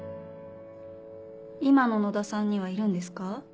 今の野田さんにはいるんですか？